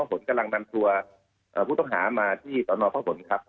กำลังนำตัวผู้ต้องหามาที่ตอนนพครับ